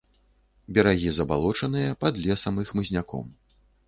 Берагі забалочаныя, пад лесам і хмызняком.